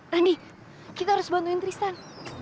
randy kita harus bantuin tristan